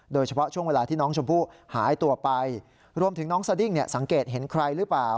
โดยเฉพาะช่วงเวลาที่น้องชมพู่หายตัวไปรวมถึงน้องสดิ้งสังเกตเห็นใครหรือเปล่า